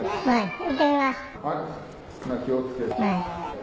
はい。